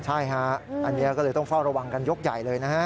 ใช่ฮะอันนี้ก็เลยต้องเฝ้าระวังกันยกใหญ่เลยนะฮะ